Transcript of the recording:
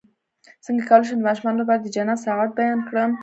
څنګه کولی شم د ماشومانو لپاره د جنت ساعت بیان کړم